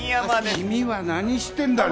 君は何してんだね